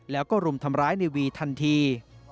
แล้วก็รุมทำร้ายในวีทันที